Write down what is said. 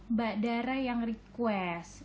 mbak dara yang request